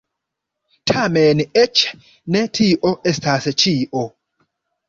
Tamen eĉ ne tio estas ĉio.